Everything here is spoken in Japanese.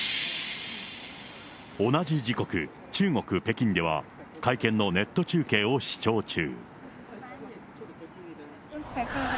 同じ時刻、中国・北京では、会見のネット中継を視聴中。